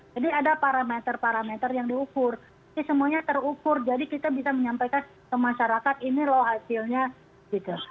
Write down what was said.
jadi ada parameter parameter yang diukur ini semuanya terukur jadi kita bisa menyampaikan ke masyarakat ini loh hasilnya gitu